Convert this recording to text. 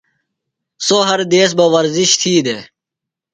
سوۡ ہر دیس بہ ورزِش تھی دےۡ۔